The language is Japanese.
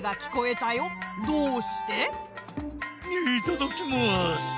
いただきます！